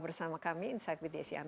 bersama kami insya allah bidya sian